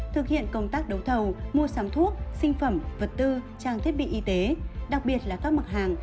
thực hiện công tác đấu thầu mua sắm thuốc sinh phẩm vật tư trang thiết bị y tế đặc biệt là các mặt hàng